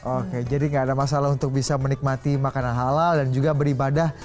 oke jadi gak ada masalah untuk bisa menikmati makanan halal dan juga beribadah